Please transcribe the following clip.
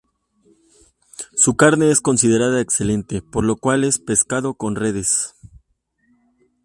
Su carne es considerada excelente, por lo cual es pescado con redes.